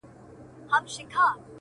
لکه چي بیا یې تیاره په خوا ده -